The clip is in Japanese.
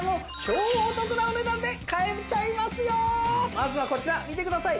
まずはこちら見てください。